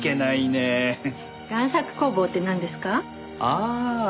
ああ。